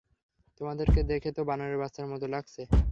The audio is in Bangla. তোমাদেরকে দেখে তো বানরের বাচ্চার মতো লাগছে!